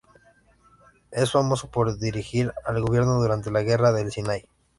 Es famoso por dirigir al gobierno durante la Guerra del Sinaí.